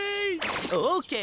オーケー！